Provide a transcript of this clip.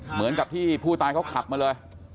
เหมือนกับที่ผู้ตายเขาขับมาเลย